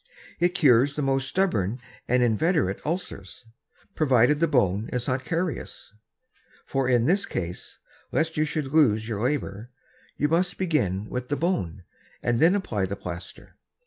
It cures the most stubborn and inveterate Ulcers, provided the Bone is not carious: for in this Case, lest you should lose your Labour, you must begin with the Bone, and then apply the Plaister.